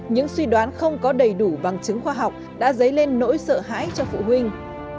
những suy đoán không có đầy đủ bằng chứng khoa học đã dấy lên nỗi sợ hãi cho phụ huynh